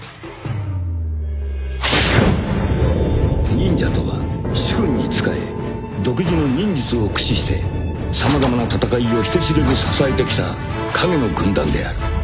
［忍者とは主君に仕え独自の忍術を駆使して様々な戦いを人知れず支えてきた影の軍団である］